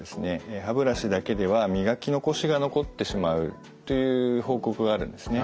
歯ブラシだけでは磨き残しが残ってしまうという報告があるんですね。